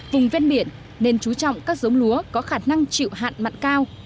vùng ven biển nên chú trọng các giống lúa có khả năng chịu hạn mặn cao